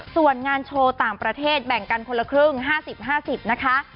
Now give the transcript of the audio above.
ส่วนงานโชว์ต่างประเทศแบ่งกันคนละครึ่ง๕๐๕๐นะคะ